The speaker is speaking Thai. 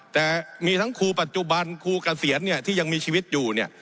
แต่มีทั้งครูปัจจุบันครูเกษียณเนี่ยที่ยังมีชีวิตอยู่เนี่ย